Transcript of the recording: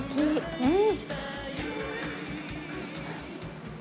うん。